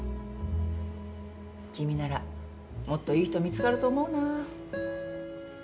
君ならもっといい人見つかると思うな。